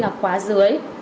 là khóa dưới